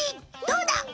どうだ！？